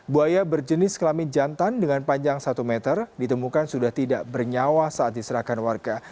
buaya berjenis kelamin jantan dengan panjang satu meter ditemukan sudah tidak bernyawa saat diserahkan warga